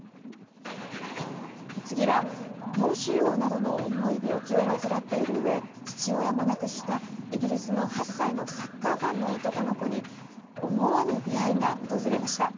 次は、脳腫瘍などの重い病気を患っているうえ父親も亡くした、イギリスの８歳のサッカーファンの男の子に思わぬ出会いが訪れました。